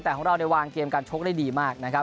แต่ของเราเนี่ยวางเกมการชกได้ดีมากนะครับ